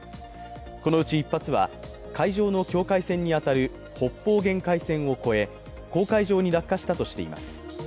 このうち１発は海上の境界線に当たる北方限界線を越え、公海上に落下したとしています。